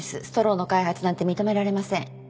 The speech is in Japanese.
ストローの開発なんて認められません